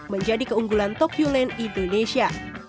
menjadi keunggulan tokyo land indonesia